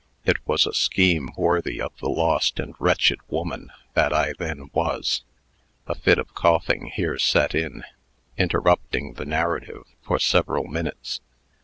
It was a scheme worthy of the lost and wretched woman that I then was." A fit of coughing here set in, interrupting the narrative for several minutes.